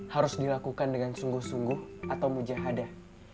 harus dilakukan dengan sungguh sungguh atau mujahadah